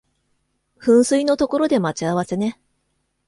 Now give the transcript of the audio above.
噴水の所で待ち合わせね